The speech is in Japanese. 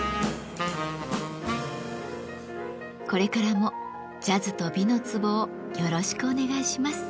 これからもジャズと「美の壺」をよろしくお願いします。